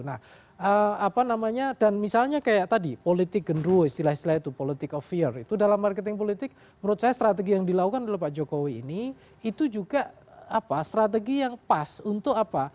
nah apa namanya dan misalnya kayak tadi politik genruo istilah istilah itu politik of fear itu dalam marketing politik menurut saya strategi yang dilakukan oleh pak jokowi ini itu juga strategi yang pas untuk apa